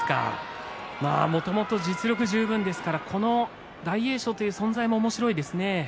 もともと実力十分ですからこの大栄翔という存在もおもしろいですね。